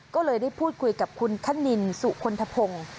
ก็เลยได้พูดคุยกับคุณคณินสุคลทพงศ์